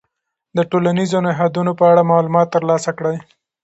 د ټولنیزو نهادونو په اړه معلومات ترلاسه کړئ.